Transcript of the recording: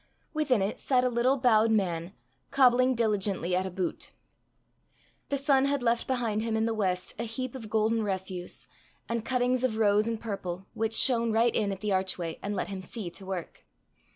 Within it sat a little bowed man, cobbling diligently at a boot. The sun had left behind him in the west a heap of golden refuse, and cuttings of rose and purple, which shone right in at the archway, and let him see to work.